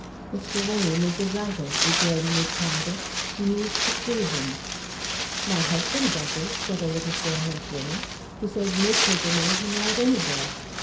"Mr. Weyne is a writer," rejoined Miss Heredith. "He needs seclusion." "My husband doesn't," said a little fair haired woman. "He says newspaper men can write anywhere.